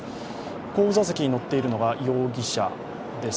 後部座席に乗っているのが容疑者です。